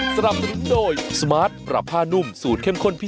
สวัสดีครับข้าวใส่ไข่